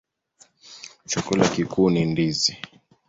Chakula kikuu ni ndizi.